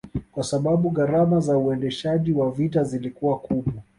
kwasababu gharama za uendeshaji wa vita zilikuwa kubwa